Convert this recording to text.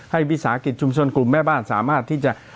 วิสาหกิจชุมชนกลุ่มแม่บ้านสามารถที่จะ